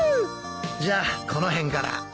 じゃあこの辺から。